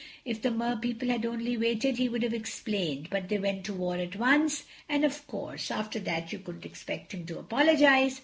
If the Mer people had only waited he would have explained, but they went to war at once, and, of course, after that you couldn't expect him to apologize.